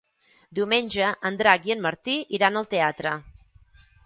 Diumenge en Drac i en Martí iran al teatre.